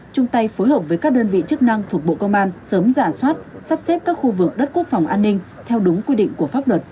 chung tay phối hợp với các đơn vị chức năng thuộc bộ công an sớm giả soát sắp xếp các khu vực đất quốc phòng an ninh theo đúng quy định của pháp luật